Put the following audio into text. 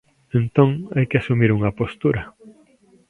Entón, hai que asumir unha postura.